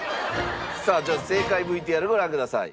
さあじゃあ正解ＶＴＲご覧ください。